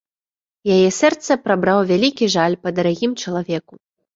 Яе сэрца прабраў вялікі жаль па дарагім чалавеку.